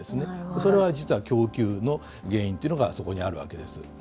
それは実は供給の原因というのがそこにあるわけです。